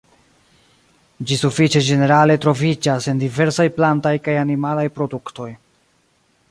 Ĝi sufiĉe ĝenerale troviĝas en diversaj plantaj kaj animalaj produktoj.